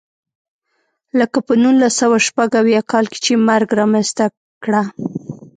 لکه په نولس سوه شپږ اویا کال کې چې مرګ رامنځته کړه.